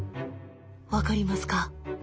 分かりますか？